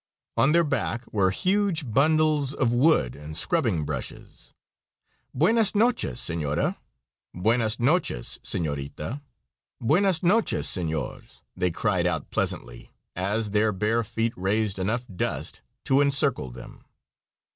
On their back were huge bundles of wood and scrubbing brushes. "Buenas noches, senora; buenas noches, senorita; buenas noches, senors," they cried out pleasantly as their bare feet raised enough dust to encircle them.